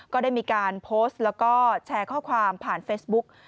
ก็ได้มีการโพสต์แล้วก็แชร์ข้อความผ่านเฟซบุ๊ก